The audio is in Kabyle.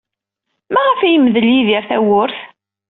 Maɣef ay yemdel Yidir tawwurt?